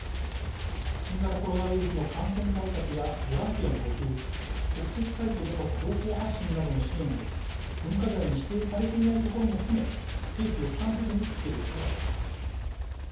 新型コロナウイルスの感染対策やボランティアの募集特設サイトでの情報発信などの支援を文化財に指定されていないところも含め経費を負担せずに受けることができます。